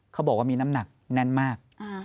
เขาบอกว่ามีน้ำหนักแน่นมาก